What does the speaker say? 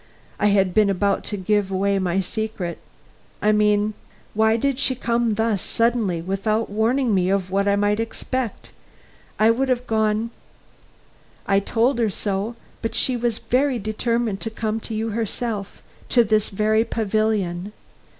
I had been about to give away my secret. "I mean, why did she come thus suddenly, without warning me of what I might expect? I would have gone " "I told her so; but she was very determined to come to you herself to this very pavilion.